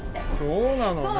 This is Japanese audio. そうなのね。